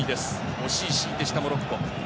惜しいシーンでした、モロッコ。